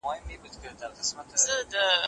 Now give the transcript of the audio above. مار به نه ګرځي پر پولو شیطانت به پکښي نه وي